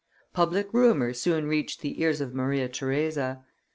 Public rumor soon reached the ears of Maria Theresa.